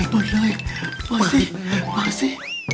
ปล่อยสิปล่อยสิ